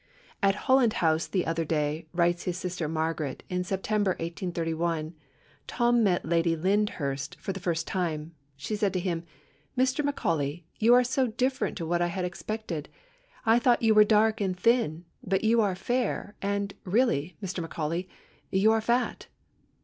'At Holland House, the other day,' writes his sister Margaret in September 1831, 'Tom met Lady Lyndhurst for the first time. She said to him: "Mr. Macaulay, you are so different to what I had expected. I thought you were dark and thin, but you are fair, and really, Mr. Macaulay, you are fat!"